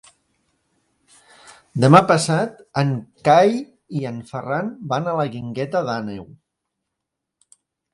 Demà passat en Cai i en Ferran van a la Guingueta d'Àneu.